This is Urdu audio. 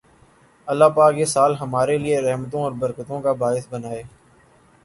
الله پاک یہ سال ہمارے لیئے رحمتوں اور برکتوں کا باعث بنائے